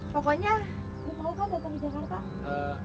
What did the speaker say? pokoknya lu tau kan datang ke jakarta